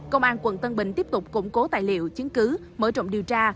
công an quận tân bình tiếp tục củng cố tài liệu chứng cứ mở rộng điều tra